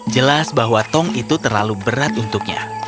jelas bahwa tong itu terlalu berat untuknya